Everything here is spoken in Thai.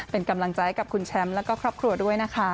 เป็นกำลังใจให้กับคุณแชมป์แล้วก็ครอบครัวด้วยนะคะ